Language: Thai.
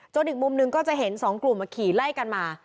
อีกมุมหนึ่งก็จะเห็นสองกลุ่มขี่ไล่กันมา